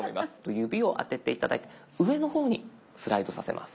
指をあてて頂いて上の方にスライドさせます。